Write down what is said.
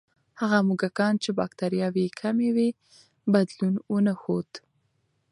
هغه موږکان چې بکتریاوې یې کمې وې، بدلون ونه ښود.